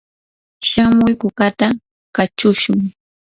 shamuy kukata kachushun.